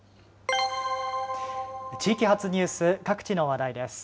地域発ニュース、各地の話題です。